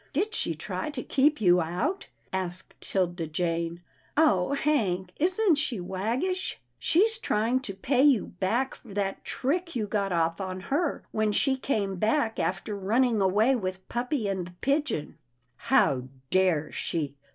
"Did she try to keep you out?" asked 'Tilda Jane. "Oh! Hank — isn't she waggish? She's trying to pay you back for that trick you got off on her when she came back after running away with puppy and the pigeon." "How dare she?"